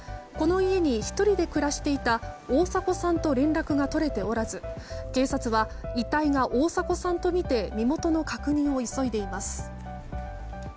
この家に１人で暮らしていた大迫さんと連絡が取れておらず警察は遺体が大迫さんとみて身元の確認を急いでいます。